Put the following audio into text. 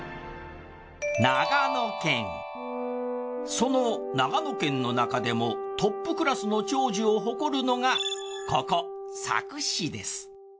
その長野県のなかでもトップクラスの長寿を誇るのがここ佐久市です。